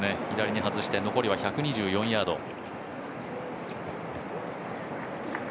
左に外して、残りは１２４ヤード。